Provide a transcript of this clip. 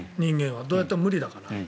どうやっても無理だから。